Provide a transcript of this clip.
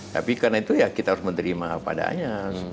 tapi karena itu ya kita harus menerima padanya